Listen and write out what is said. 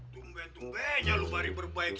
tumben tumbennya lu bari berbaik